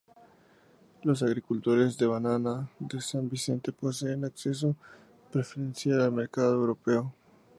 Los agricultores de banana de San Vicente poseen acceso preferencial al mercado europeo.